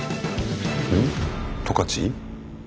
うん？十勝？